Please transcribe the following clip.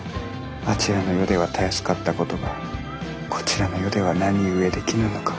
あちらの世ではたやすかったことがこちらの世では何故できぬのか。